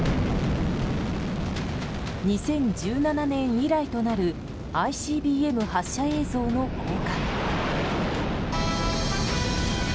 ２０１７年以来となるＩＣＢＭ発射映像の公開。